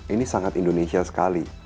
ini sangat indonesia sekali